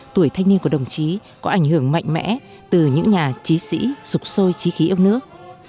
tuổi thanh niên của đồng chí có ảnh hưởng mạnh mẽ từ những nhà trí sĩ sụp sôi trí yêu nước